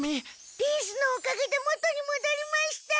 リンスのおかげで元にもどりました。